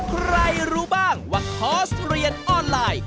ใครรู้บ้างว่าคอร์สเรียนออนไลน์